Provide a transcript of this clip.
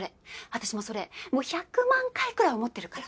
私もそれもう１００万回くらい思ってるから。